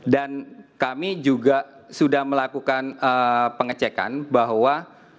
dan kami juga sudah melakukan pengecekan bahwa